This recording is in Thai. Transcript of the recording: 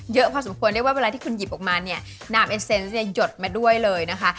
เยอะพอสมควรเรียกว่าเวลาที่คุณหยิบออกมาเนี่ยนามเอสเซนต์เนี่ยหยดมาด้วยเลยนะคะ